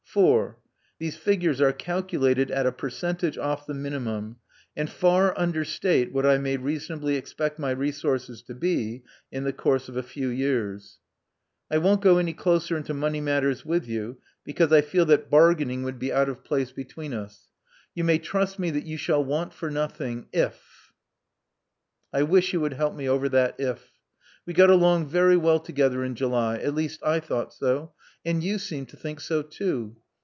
4, These figures are calculated at a percentage off the minimum, and far understate what 1 may reasonably expect my resources to be in the course of a few years, I won't go any closer into money matters with you, because I feel that bargaining would be out of place 296 Love Among the Artists between us. You may trust me that you shall want for nothing, if !!! I wish you would help me over that if. We got along very well together in July — at least I thought so; and you seemed to think so too.